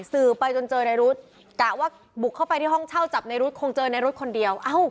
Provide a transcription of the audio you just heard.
สื่อไปจนเจอในรุ๊ดกะว่าบุกเข้าไปที่ห้องเช่าจับในรุ๊ดคงเจอในรถคนเดียวเอ้า